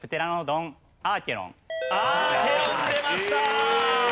アーケロン出ました！